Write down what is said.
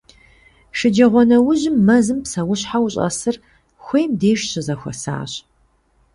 Шэджагъуэнэужьым мэзым псэущхьэу щӀэсыр хуейм деж щызэхуэсащ.